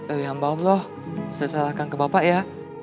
saya serahkan ke bapak ya